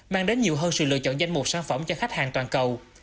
mang đến nhiều hơn sự lựa chọn danh mục sản phẩm cho khách hàng toàn cầu